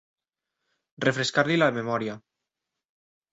Refrescar-li la memòria.